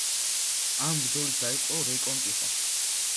ამ ბრძოლით დაიწყო რეკონკისტა.